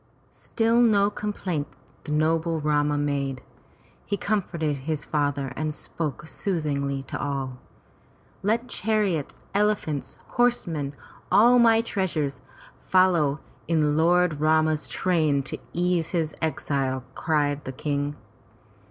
'' Still no complaint the noble Rama made. He comforted his father and spoke soothingly to all. "Let chariots, elephants, horsemen, all my treasures follow in Lord Rama's train to ease his exile!" cried the King.